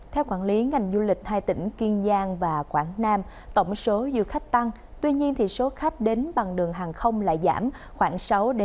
theo quản lý ngành du lịch hai tỉnh kiên giang và quảng nam tổng số du khách tăng tuy nhiên số khách đến bằng đường hàng không lại giảm khoảng sáu ba mươi